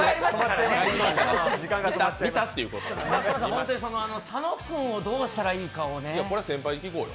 本当に佐野君をどうしたらいいのかをね。